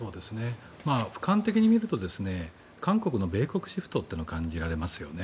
俯瞰的に見ると韓国の米国シフトが感じられますよね。